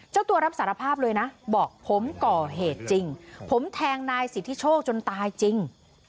เจ้าตัวรับสารภาพเลยนะบอกผมก่อเหตุจริงผมแทงนายสิทธิโชคจนตายจริง